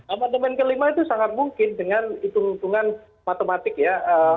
amandemen kelima itu sangat mungkin dengan hitung hitungan matematik ya